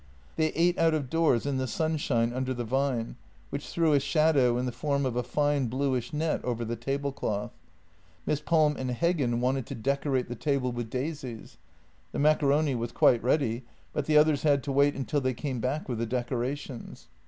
They ate out of doors in the sunshine under the vine, which threw a shadow in the form of a fine bluish net over the tablecloth. Miss Palm and Heggen wanted to decorate JENNY 79 the table with daisies; the macaroni was quite ready, but the others had to wait until they came back with the decorations.